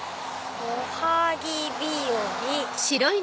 「おはぎびより」。